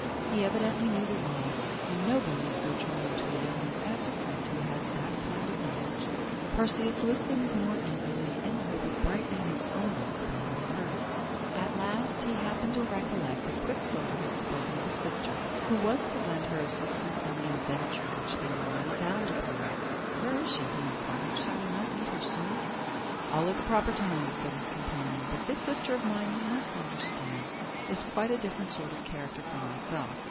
He evidently knew the world; and nobody is so charming to a young man as a friend who has that kind of knowledge. Perseus listened the more eagerly, in the hope of brightening his own wits by what he heard. At last, he happened to recollect that Quicksilver had spoken of a sister, who was to lend her assistance in the adventure which they were now bound upon. "Where is she?" he inquired. "Shall we not meet her soon?" "All at the proper time," said his companion. "But this sister of mine, you must understand, is quite a different sort of character from myself.